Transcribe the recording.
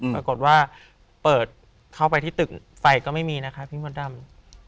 ปรากฏว่าเปิดเข้าไปที่ตึกไฟก็ไม่มีนะคะพี่มดดำ